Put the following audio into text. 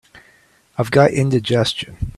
I've got indigestion.